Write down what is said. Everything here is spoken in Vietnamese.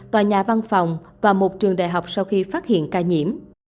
tòa nhà văn phòng và một trường đại học sau khi phát hiện ca nhiễm